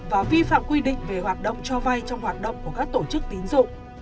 và vi phạm quy định về hoạt động cho vay trong hoạt động của các tổ chức tín dụng